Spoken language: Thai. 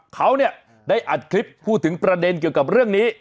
เขาเนี่ยได้อัดคลิปพูดถึงประเด็นเกี่ยวกับเรื่องนี้